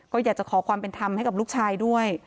ก็อยากจะขอความเป็นธรรมให้กับลูกชายด้วย